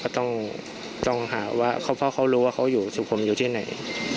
ต้องหาว่าเพราะเขารู้ว่าเขาอยู่สุขมอยู่ที่ไหน